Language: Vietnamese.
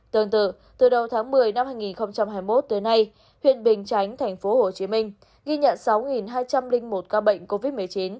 tương tự từ đầu tháng một mươi năm hai nghìn hai mươi một tới nay huyện bình chánh tp hcm ghi nhận sáu hai trăm linh một ca bệnh covid một mươi chín